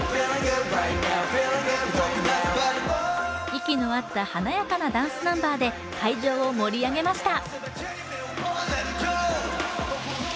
息の合った華やかなダンスナンバーで会場を盛り上げました。